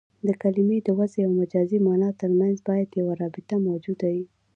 د کلمې د وضعي او مجازي مانا ترمنځ باید یوه رابطه موجوده يي.